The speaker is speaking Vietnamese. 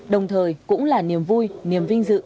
đồng thời cũng là niềm vui niềm vinh dự